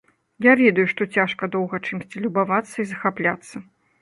Я ведаю, што цяжка доўга чымсьці любавацца і захапляцца.